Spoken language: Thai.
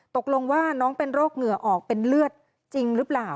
ตกลงว่าน้องเป็นโรคเหงื่อออกเป็นเลือดจริงหรือเปล่า